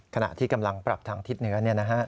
ขณะที่กำลังปรับทางทิศเหนือนี่นะฮะ